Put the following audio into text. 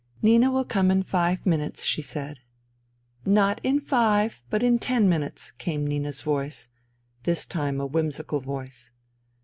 " Nina will come in five minutes," she said. *' Not in five but in ten minutes," came Nina's voice, this time a whimsical voice.